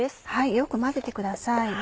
よく混ぜてください。